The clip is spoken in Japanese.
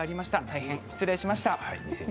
大変失礼いたしました。